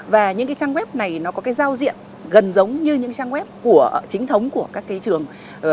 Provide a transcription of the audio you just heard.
và những trang web này có giao diện gần giống như những trang web chính thống của các trường